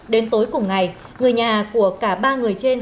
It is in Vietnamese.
đến tối cùng ngày người nhà của cả ba người trên